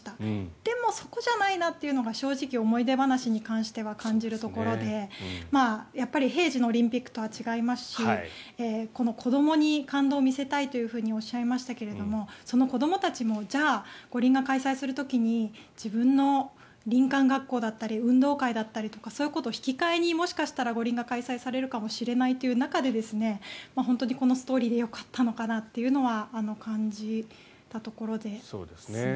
でも、そこじゃないなっていうのが正直、思い出話に関しては感じるところでやっぱり平時のオリンピックとは違いますしこの子どもに感動を見せたいとおっしゃいましたけどその子どもたちもじゃあ、五輪が開催する時に自分の林間学校だったり運動会だったりとかそういうことと引き換えにもしかしたら五輪が開催されるかもしれないという中で本当にこのストーリーでよかったのかなというのは感じたところですね。